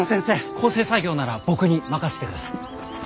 校正作業なら僕に任せてください。